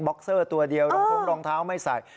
็อกเซอร์ตัวเดียวรองท้องรองเท้าไม่ใส่